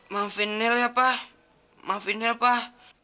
maafin nel ya pak maafin nel pak